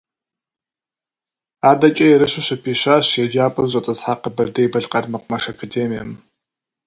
Адэкӏэ ерыщу щыпищащ еджапӏэ зыщӏэтӏысхьа Къэбэрдей-Балъкъэр мэкъумэш академием.